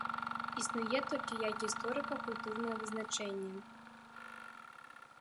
Існуе толькі як гісторыка-культурнае вызначэнне.